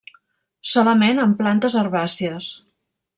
Solament en plantes herbàcies.